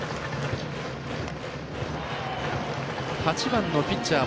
８番のピッチャー